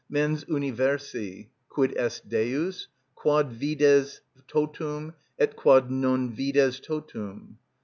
Mens universi. Quid est Deus? Quod vides totum, et quod non vides totum.